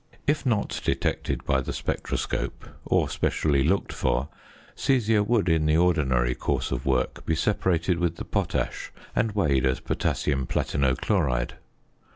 If not detected by the spectroscope, or specially looked for, caesia would, in the ordinary course of work, be separated with the potash and weighed as potassium platino chloride.